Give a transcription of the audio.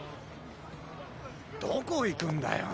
どこいくんだよ。